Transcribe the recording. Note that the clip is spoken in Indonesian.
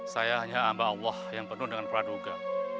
saya hanya ambah allah yang penuh dengan peraduga